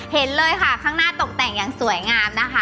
เห็นเลยค่ะข้างหน้าตกแต่งอย่างสวยงามนะคะ